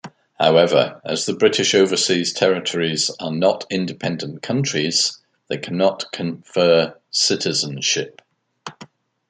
However, as the British Overseas Territories are not independent countries, they cannot confer citizenship.